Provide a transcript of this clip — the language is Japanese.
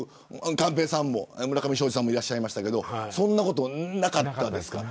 寛平さんも村上ショージさんもいらっしゃいましたがそんなことなかったですから。